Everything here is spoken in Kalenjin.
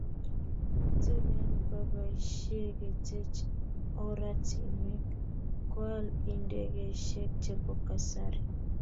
Tugeet koboisyei koteech oratinweek, koal indegeisyek chebo kasari